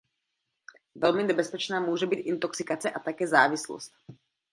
Velmi nebezpečná může být intoxikace a také závislost.